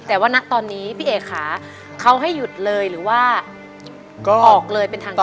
แต่ว่าณตอนนี้พี่เอกค่ะเขาให้หยุดเลยหรือว่าออกเลยเป็นทางการ